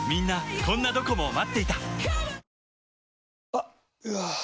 あっ、うわー。